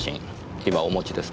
今お持ちですか？